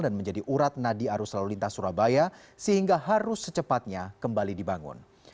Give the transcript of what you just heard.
dan menjadi urat nadi arus lalu lintas surabaya sehingga harus secepatnya kembali dibangun